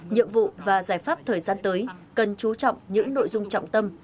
nhiệm vụ và giải pháp thời gian tới cần chú trọng những nội dung trọng tâm